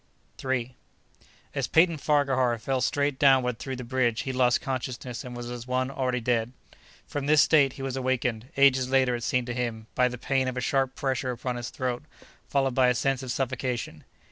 III As Peyton Farquhar fell straight downward through the bridge he lost consciousness and was as one already dead. From this state he was awakened—ages later, it seemed to him—by the pain of a sharp pressure upon his throat, followed by a sense of suffocation.